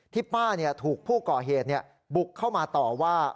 ป้าถูกผู้ก่อเหตุบุกเข้ามาต่อว่า